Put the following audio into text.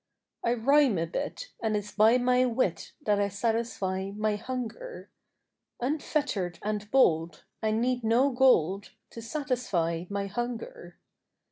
I rhyme a bit, and it's by my wit That I satisfy my hunger; Unfettered and bold, I need no gold To satisfy my hunger.